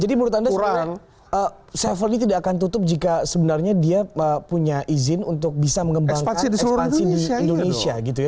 jadi menurut anda sebenarnya sevel ini tidak akan tutup jika sebenarnya dia punya izin untuk bisa mengembangkan ekspansi di indonesia gitu ya